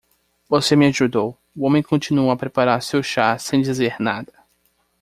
"Você me ajudou." O homem continuou a preparar seu chá sem dizer nada.